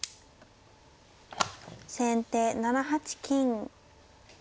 先手７八金。